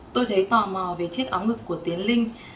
tôi thấy tò mò về chiếc áo ngực của tiến linh